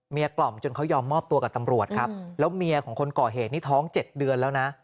กล่อมจนเขายอมมอบตัวกับตำรวจครับแล้วเมียของคนก่อเหตุนี่ท้อง๗เดือนแล้วนะ